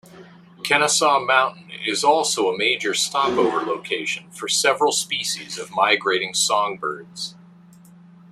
Kennesaw Mountain is also a major stopover location for several species of migrating songbirds.